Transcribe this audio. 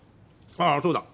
あそうだ。